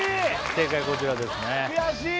正解こちらですね悔しい！